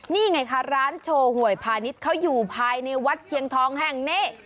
นี่ไงคะร้านโชว์หวยพาณิชย์เขาอยู่ภายในวัดเชียงทองแห่งนี้